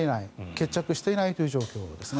決着していないという状況です。